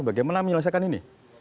bagaimana menyelesaikan ini